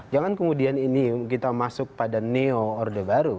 jangan kemudian ini kita masuk pada neo orde baru